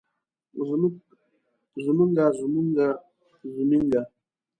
زمونږه زمونګه زمينګه